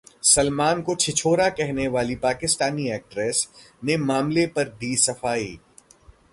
सलमान को 'छिछोरा' कहने वाली पाकिस्तानी एक्ट्रेस ने मामले पर दी सफाई